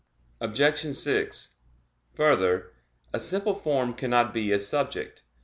Obj. 6: Further, "a simple form cannot be a subject."